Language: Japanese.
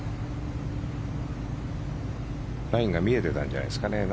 ラインが見えてたんじゃないですかね。